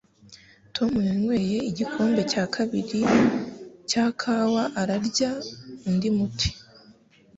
Tom yanyweye igikombe cya kabiri cya kawa ararya undi muti